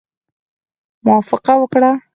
موافقه وکړه.